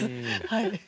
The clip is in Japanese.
はい。